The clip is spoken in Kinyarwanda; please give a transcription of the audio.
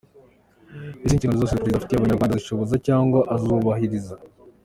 -ese inshingano zose Perezida Kagame afitiye abanyarwanda arazisohoza cyangwa arazubahiriza?